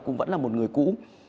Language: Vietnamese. cũng vẫn là một người cũ